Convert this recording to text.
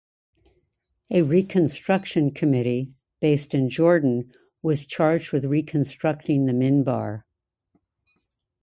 A "Reconstruction Committee" based in Jordan was charged with reconstructing the minbar.